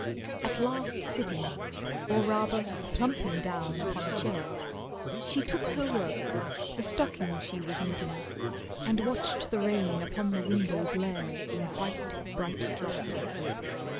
At last sitting, Or rather plumping down upon a chair, She took her work, the stocking she was knitting, And watched the rain upon the window glare In white, bright drops.